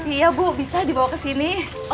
iya bu bisa dibawa ke sini